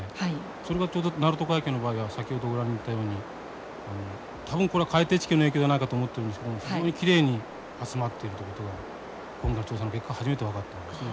それがちょうど鳴門海峡の場合は先程ご覧になったように多分これは海底地形の影響じゃないかと思ってるんですけども非常にきれいに集まっているということが今回の調査の結果初めて分かったんですね。